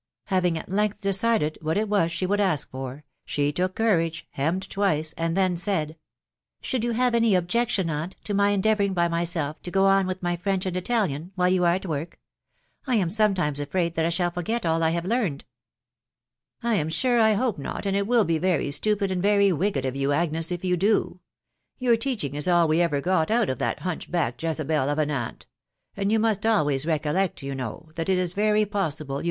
Having at length decided what it was she would ask for, she took courage, hemmed twice, and then said,— " Should you have any objection, aunt, to my endeavouring by mjBelf to go on with my French and Italian* while yan *t woib? .... I am sometimes s&aia.&«i. 1 &dl £<scaj* I Jure iiearnod.' 0* tbci widow jujw^bk. . lOf " I am auie I tape Act, and it .^#iJJ. be very stupid, and very .wicked of you* Agnes* if ye* da. YiOur teaching is aU we ever got out of that hunch backed <Fosahel /of an aunt ; and yo* must always recollect,, you know, ahatit ie very possible you